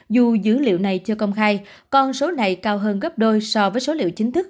dù dữ liệu này chưa công khai con số này cao hơn gấp đôi so với số liệu chính thức